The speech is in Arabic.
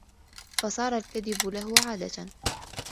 فَصَارَ الْكَذِبُ لَهُ عَادَةً